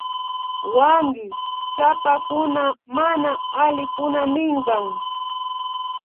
Wanki chapakuna mana alikunaminkan